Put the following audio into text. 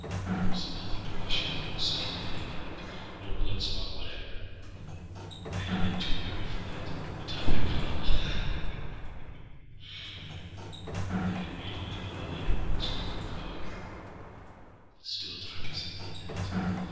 There was nothing to wash outâno stain of any kindâno blood spot whatever. I had been too wary for that. A tub had caught allâha! ha! When I had made an end of these labors, it was four oâclockâstill dark as midnight.